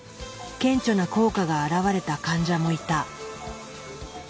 顕著な効果が現れた患者もいた。